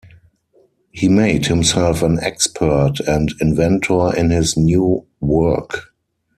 He made himself an expert and inventor in his new work.